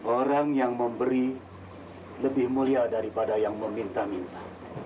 orang yang memberi lebih mulia daripada yang meminta minta